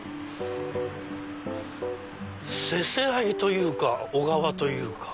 せせらぎというか小川というか。